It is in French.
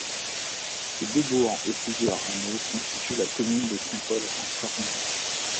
Ces deux bourgs et plusieurs hameaux constituent la commune de Saint-Paul-en-Cornillon.